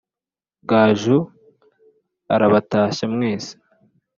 gaju arabatashya mwese